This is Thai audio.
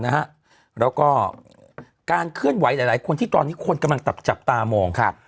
แล้วก็การเคลื่อนไหวหลายคนที่ตอนนี้คนกำลังจับตามอง